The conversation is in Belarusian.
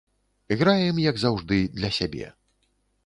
Граем, як заўжды, для сябе.